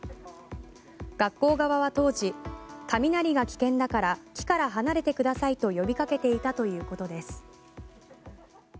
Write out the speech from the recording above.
学校側は当時、雷が危険だから木から離れてくださいと呼びかけていたということです。